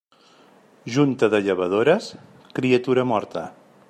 Junta de llevadores, criatura morta.